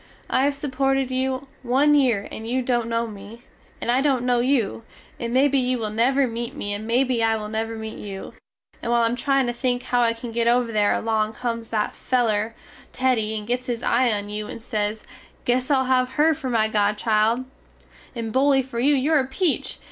I have supported you one yere and you dont no me, and I dont no you, and mebbe you will never mete me and mebbe I will never mete you, and while I am tryin to think how I can get over there along comes that feler Teddy and gets his eye on you and sez, Guess Ill have her for my godchild, and Bully fer you your a peach!